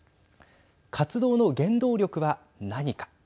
活動の原動力は何か。